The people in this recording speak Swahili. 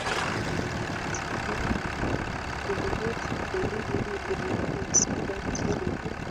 katika kuboresha elimu na demokrasia nchini